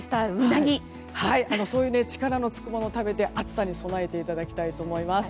そういう力のつくものを食べて暑さに備えていただきたいと思います。